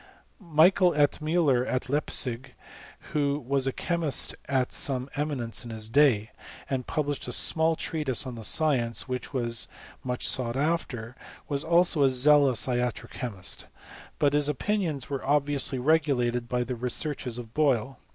Michael Ettmuller, at Leipsic, who was a chemist of some eminence in his day, and published a small treatise on the science, which was much sought after, was also a zealous iatro chemist ; but his opinions were obviously regulated by the researches of Boyle.